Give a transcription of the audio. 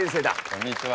こんにちは。